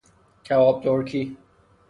کباب ترکی